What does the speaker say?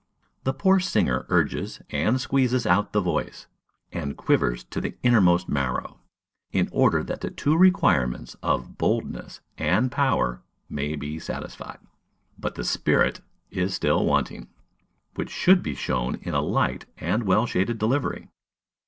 The poor singer urges and squeezes out the voice, and quivers to the innermost marrow, in order that the two requirements of "Boldness" and "Power" may be satisfied. But the "Spirit" is still wanting, which should be shown in a light and well shaded delivery.